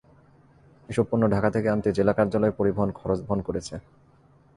এসব পণ্য ঢাকা থেকে আনতে জেলা কার্যালয় পরিবহন খরচ বহন করেছে।